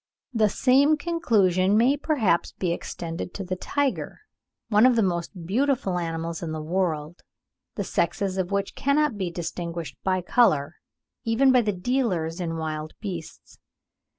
The same conclusion may perhaps be extended to the tiger, one of the most beautiful animals in the world, the sexes of which cannot be distinguished by colour, even by the dealers in wild beasts.